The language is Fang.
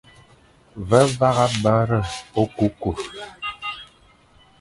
Ve vagha bere okukur,